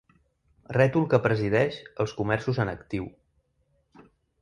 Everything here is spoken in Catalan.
Rètol que presideix els comerços en actiu.